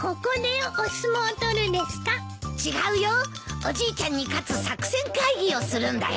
おじいちゃんに勝つ作戦会議をするんだよ。